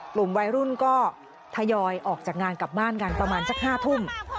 กลุ่มวัยรุ่นก็ทยอยออกจากงานกลับบ้านกันประมาณสัก๕ทุ่ม